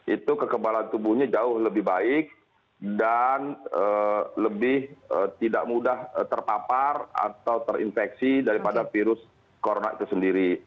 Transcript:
itu kekebalan tubuhnya jauh lebih baik dan lebih tidak mudah terpapar atau terinfeksi daripada virus corona itu sendiri